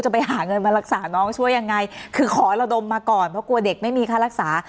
ไปหาเงินมารักษาน้องช่วยยังไงคือขอระดมมาก่อนเพราะกลัวเด็กไม่มีค่ารักษา